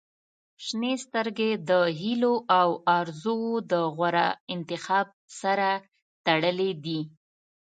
• شنې سترګې د هیلو او آرزووو د غوره انتخاب سره تړلې دي.